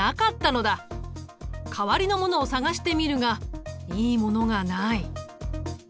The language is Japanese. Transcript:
代わりのものを探してみるがいいものがない。